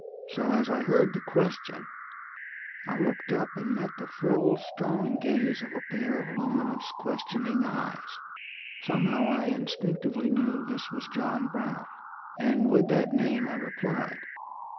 So, as I heard the question, I looked up and met the full, strong gaze of a pair of luminous, questioning eyes. Somehow I instinctively knew this was John Brown, and with that name I replied....